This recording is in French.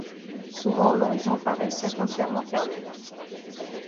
Souvent l’horizon paraissait entièrement fermé.